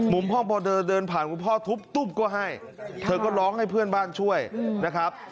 มุมห้องพอเธอเดินผ่านคุณพ่อทุบตุ้มก็ให้เธอก็ร้องให้เพื่อนบ้านช่วยนะครับ